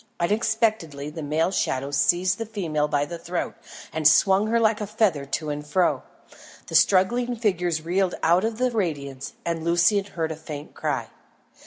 Unexpectedly the male shadow seized the female by the throat and swung her like a feather to and fro. The struggling figures reeled out of the radiance and Lucian heard a faint cry.